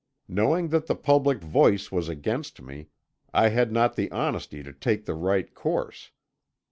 Knowing that the public voice was against me, I had not the honesty to take the right course.